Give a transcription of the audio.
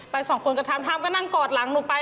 สองคนก็ทำท่ามก็นั่งกอดหลังหนูไป